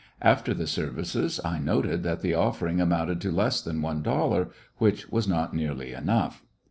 After the services I noted that the offering amounted to less than one dollar, which was not nearly enough.